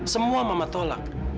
semua mama tolak